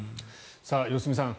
良純さん